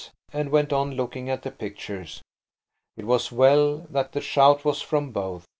and went on looking at the pictures. It was well that the shout was from both.